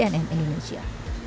tim liputan cnn indonesia